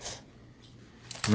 何？